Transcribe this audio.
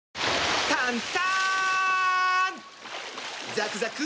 ザクザク！